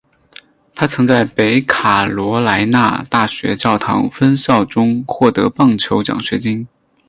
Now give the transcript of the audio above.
他曾在北卡罗来纳大学教堂山分校中获得棒球奖学金。